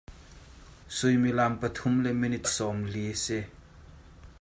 Suimilam pathum le minit sawmli a si.